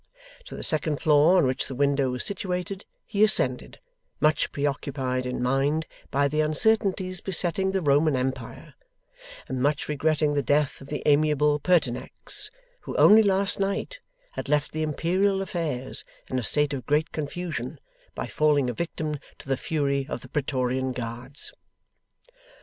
To the second floor on which the window was situated, he ascended, much pre occupied in mind by the uncertainties besetting the Roman Empire, and much regretting the death of the amiable Pertinax: who only last night had left the Imperial affairs in a state of great confusion, by falling a victim to the fury of the praetorian guards.